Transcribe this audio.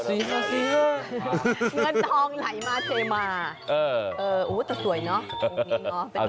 เงินทองไหลมาเทมา